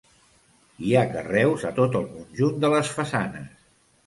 Hi ha carreus a tot el conjunt de les façanes.